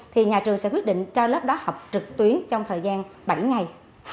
thì nhà trường sẽ quyết định cho lớp đó học trực tuyến trong thời gian bảy ngày